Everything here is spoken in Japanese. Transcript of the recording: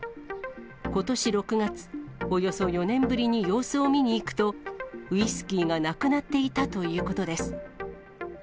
ことし６月、およそ４年ぶりに様子を見に行くと、ウイスキーがなくなっていたということです。